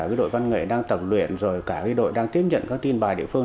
cả đội văn nghệ đang tập luyện rồi cả đội đang tiếp nhận các tin bài địa phương